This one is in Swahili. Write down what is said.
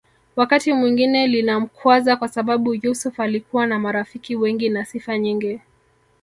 Wakati mwingine linamkwaza kwasababu Yusuf alikuwa na marafiki wengi na sifa nyingi